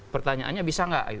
pertanyaannya bisa nggak